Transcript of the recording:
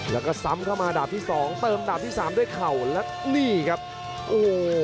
แล้วก็ซ้ำเข้ามาดาบที่สองเติมดาบที่สามด้วยเข่าและนี่ครับโอ้โห